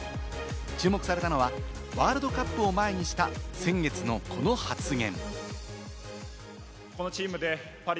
注目されたのはワールドカップを前にした先月の、この発言。